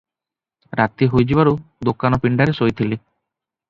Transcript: ରାତି ହୋଇଯିବାରୁ ଦୋକାନ ପିଣ୍ତାରେ ଶୋଇଥିଲି ।